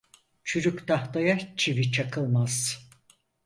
Çürük tahtaya çivi çakılmaz.